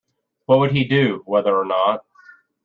What would he do, whether or not?